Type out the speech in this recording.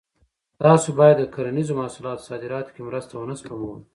تاسو باید د کرنیزو محصولاتو صادراتو کې مرسته ونه سپموئ.